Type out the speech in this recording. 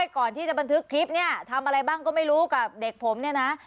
ก่อนที่จะบันทึกคลิปเนี่ยทำอะไรบ้างก็ไม่รู้กับเด็กผมเนี่ยนะ